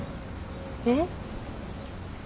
えっ？